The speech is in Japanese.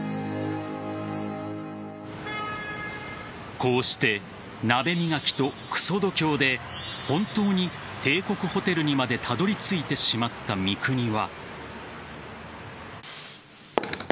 こうして鍋磨きとくそ度胸で本当に帝国ホテルにまでたどり着いてしまった三國は。